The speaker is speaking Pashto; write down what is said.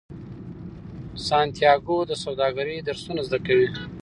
سانتیاګو د سوداګرۍ درسونه زده کوي.